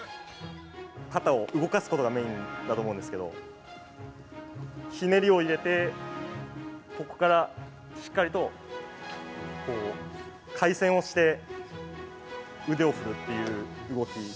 肩を動かすことがメインだと思うんですけど、ひねりを入れて、ここからしっかりとこう、回旋をして腕を振るっていう動き。